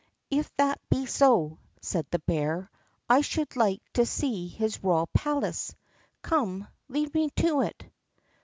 "If that be so," said the bear, "I should like to see his royal palace; come, lead me to it."